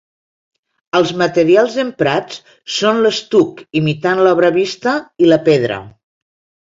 Els materials emprats són l'estuc imitant l'obra vista i la pedra.